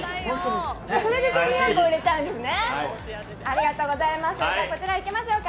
それで１２００個売れちゃうんですね。